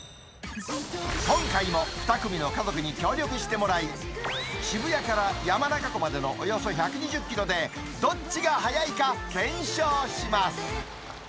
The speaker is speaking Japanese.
今回も２組の家族に協力してもらい、渋谷から山中湖までのおよそ１２０キロで、どっちが速いか検証します。